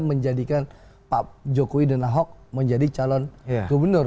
menjadikan pak jokowi dan ahok menjadi calon gubernur